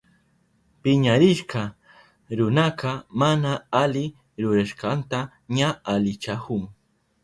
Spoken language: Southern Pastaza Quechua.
Piñarishka runaka mana ali rurashkanta ña alichahun.